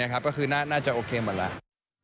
ก็คือน่าจะโอเคหมดแล้ว